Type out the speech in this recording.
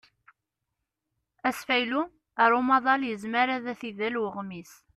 Asfaylu ar umaḍal yezmer ad t-idel uɣmis.